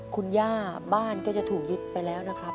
คุณย่าบ้านก็จะถูกยึดไปแล้วนะครับ